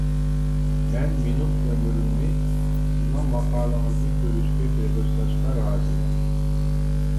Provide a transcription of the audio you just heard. مەن مىنۇت ئۆمرۈمنى سىزنىڭ ماقالىڭىزنى كۆرۈشكە بېغىشلاشقا رازىمەن!